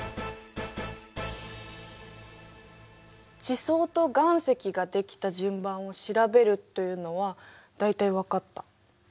地層と岩石ができた順番を調べるというのは大体わかった。